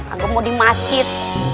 agak mau di masjid